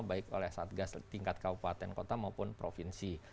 baik oleh satgas tingkat kabupaten kota maupun provinsi